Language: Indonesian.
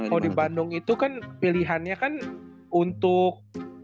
kalau di bandung itu kan pilihannya kan untuk